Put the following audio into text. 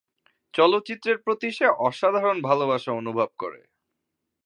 চলচ্চিত্রের প্রতি সে অসাধারণ ভালোবাসা অনুভব করে।